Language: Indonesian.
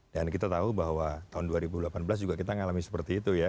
dan kita tahu bahwa tahun dua ribu delapan belas juga kita ngalami seperti itu ya